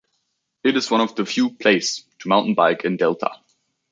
It is one of the few place to mountain bike in Delta.